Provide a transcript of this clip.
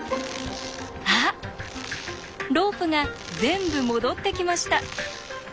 あっロープが全部戻ってきました。